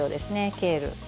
ケール。